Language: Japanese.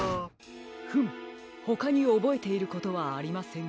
フムほかにおぼえていることはありませんか？